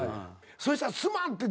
そしたらすまんって。